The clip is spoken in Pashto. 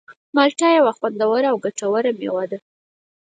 مالټه یوه خوندوره او ګټوره مېوه ده.